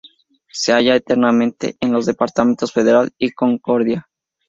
Se halla enteramente en los departamentos Federal y Concordia.